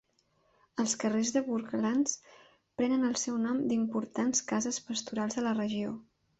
Els carrers de Bourkelands prenen el seu nom "d'importants cases pastorals de la regió".